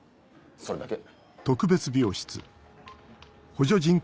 それだけ。